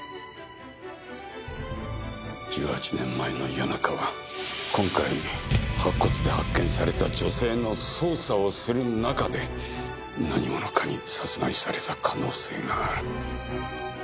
１８年前の谷中は今回白骨で発見された女性の捜査をする中で何者かに殺害された可能性がある。